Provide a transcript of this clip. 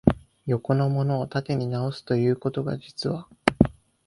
横のものを縦に直す、ということが、実は、